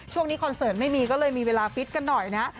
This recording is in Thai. คอนเสิร์ตไม่มีก็เลยมีเวลาฟิตกันหน่อยนะ